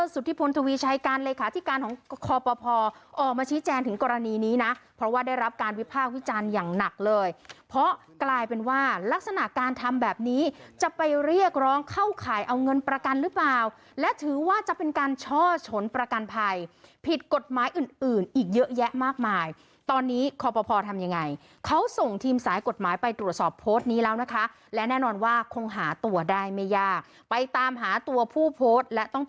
สุธิพลทวีชายการเลยค่ะที่การของคอปภออกมาชี้แจนถึงกรณีนี้นะเพราะว่าได้รับการวิภาควิจันทร์อย่างหนักเลยเพราะกลายเป็นว่าลักษณะการทำแบบนี้จะไปเรียกร้องเข้าข่ายเอาเงินประกันหรือเปล่าและถือว่าจะเป็นการช่อฉนประกันภัยผิดกฎหมายอื่นอื่นอีกเยอะแยะมากมายตอนนี้คอปภทำยังไงเขาส่ง